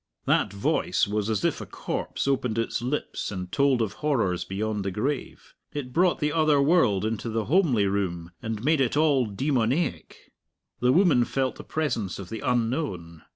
That voice was as if a corpse opened its lips and told of horrors beyond the grave. It brought the other world into the homely room, and made it all demoniac. The women felt the presence of the unknown.